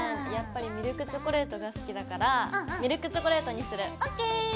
やっぱりミルクチョコレートが好きだからミルクチョコレートにする！ＯＫ！